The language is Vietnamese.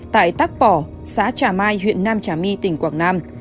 tại tát bỏ xã trà mai huyện nam trà my tỉnh quảng nam